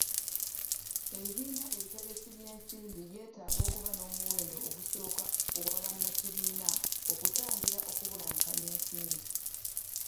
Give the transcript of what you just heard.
Ebibiina ebiteresi by'ensimbi byetaaga okuba n'omuwendo ogusoboka ogwa bannakibiina okutangira okubulankanya ensimbi.